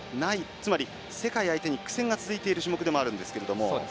つまり世界相手に苦戦が続いている種目なんですけど。